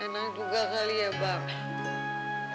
enak juga kali ya bang